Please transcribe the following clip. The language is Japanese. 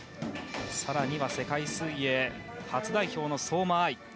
更には世界水泳初代表の相馬あい。